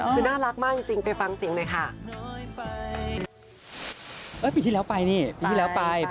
คือน่ารักมากจริงไปฟังเสียงด้วยค่ะ